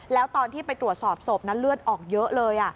แล้วตอนที่ไปตรวจสอบศพนั้นเลือดออกเยอะเลย